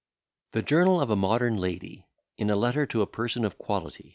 ] THE JOURNAL OF A MODERN LADY IN A LETTER TO A PERSON OF QUALITY.